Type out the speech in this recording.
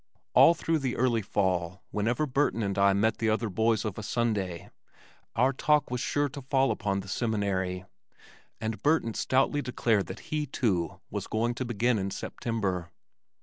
All through the early fall whenever Burton and I met the other boys of a Sunday our talk was sure to fall upon the Seminary, and Burton stoutly declared that he, too, was going to begin in September.